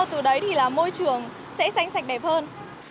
từ đấy thì là môi trường sẽ xanh sạch đẹp hơn